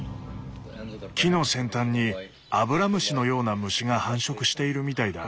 木の先端にアブラムシのような虫が繁殖しているみたいだ。